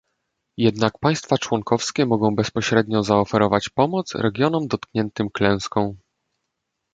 Jednak państwa członkowskie mogą bezpośrednio zaoferować pomoc regionom dotkniętym klęską